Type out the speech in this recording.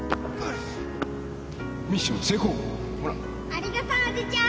ありがとうおじちゃん